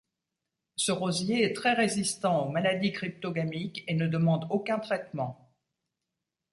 Ce rosier est très résistant aux maladies cryptogamiques et ne demande aucun traitement.